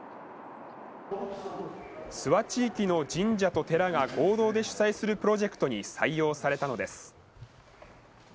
諏訪地域の神社と寺が合同で主催するプロジェクトに採用されたのです。